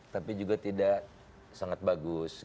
tapi juga tidak sangat bagus